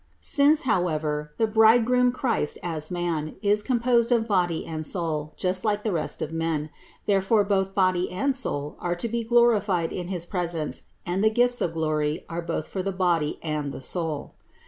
Since, however, the Bridegroom Christ, as man, is composed of body and soul, just like the rest of men, therefore both body and soul are to be glorified in his presence and the gifts of glory are both for the body and the soul.